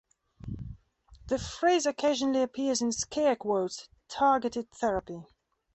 The phrase occasionally appears in scare quotes: "targeted therapy".